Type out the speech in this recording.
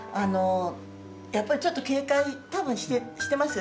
やっぱりちょっと警戒多分してますよね。